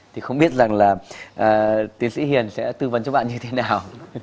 thì không biết rằng là tiến sĩ hiền sẽ tư vấn cho bạn như thế nào